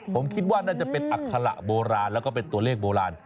ผมคิดว่าน่าจะเป็นอัคระโบราณแล้วก็เป็นตัวเลขโบราณ